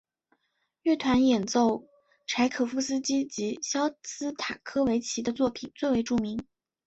乐团演奏柴可夫斯基及肖斯塔科维奇的作品最为著名。